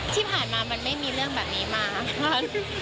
ที่ผ่านมามันไม่มีเรื่องแบบนี้มาว่า